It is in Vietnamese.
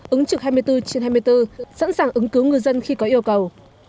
ứng trực hai mươi bốn trên hai mươi bốn sẵn sàng ứng cứu ngư dân khi có yêu cầu